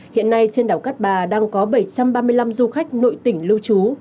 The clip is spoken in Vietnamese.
hiện nay trên đảo cát bà đang có bảy trăm ba mươi năm du khách nội tỉnh lưu trú